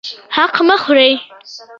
حق مه خورئ